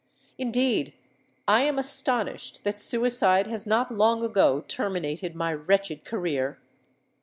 Indeed, I am astonished that suicide has not long ago terminated my wretched career.